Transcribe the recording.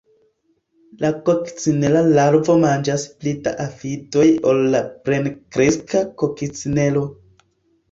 La kokcinela larvo manĝas pli da afidoj ol la plenkreska kokcinelo.